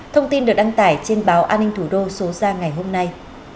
thông tin được đăng tải trên báo an ninh thủ đô số ra ngày hôm nay